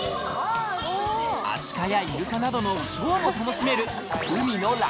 アシカやイルカなどのショーも楽しめる